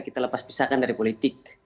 kita lepas pisahkan dari politik